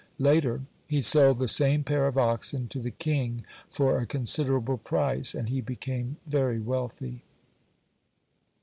Later he sold the same pair of oxen to the king for a considerable price, and he became very wealthy.